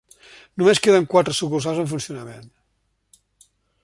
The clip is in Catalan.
Només queden quatre sucursals en funcionament.